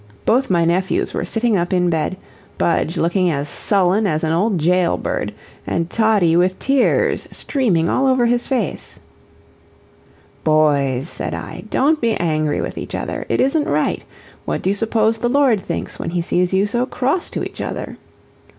Both my nephews were sitting up in bed, Budge looking as sullen as an old jail bird, and Toddie with tears streaming all over his face. "Boys," said I, "don't be angry with each other it isn't right. What do you suppose the Lord thinks when he sees you so cross to each other?"